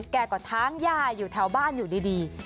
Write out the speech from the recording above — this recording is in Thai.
แกกฐานหญ้าอยู่แถวบ้านอยู่ดี